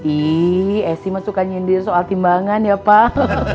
ih esy mah suka nyindir soal timbangan ya pak